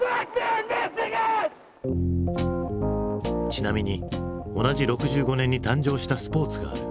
ちなみに同じ６５年に誕生したスポーツがある。